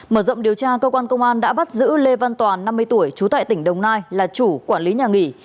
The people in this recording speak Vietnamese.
mở rộng điều tra cơ quan công an đã bắt giữ lê văn toàn năm mươi tuổi trú tại tỉnh đồng nai là chủ quản lý nhà nghỉ